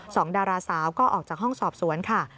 สองดาราสาวก็ออกจากห้องสอบสวนค่ะ